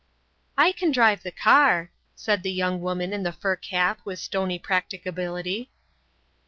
"I can drive the car," said the young woman in the fur cap with stony practicability.